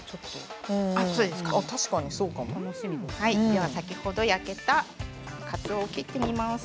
では先ほど焼けたかつおを切ってみます。